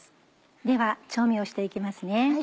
では調味をして行きますね。